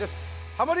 ハモリ